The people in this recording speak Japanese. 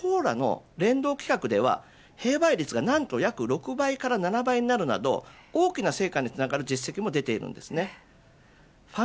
ファミチキとコーラの連動企画では併売率が何と６倍から７倍になるなど大きな成果につながる実績も出ています。